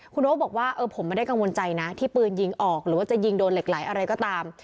คุณโอ๊คบอกว่าผมไม่ได้กังวลใจนะที่ปืนยิงออกหรือว่าจะยิงโดนเหล็กไหลอะไรก็ตาม